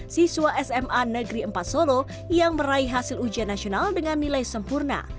siswa sma negeri empat solo yang meraih hasil ujian nasional dengan nilai sempurna